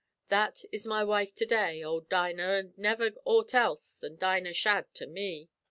That is my wife to day ould Dinah, an' never aught else than Dinah Shadd to me.